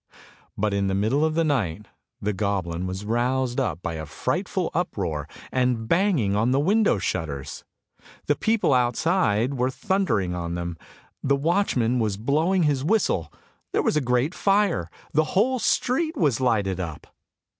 But in the middle of the night the goblin was roused up by a frightful uproar and banging on the window shutters; the 82 ANDERSEN'S FAIRY TALES people outside were thundering on them. The watchman was blowing his whistle ; there was a great fire, the whole street was lighted up.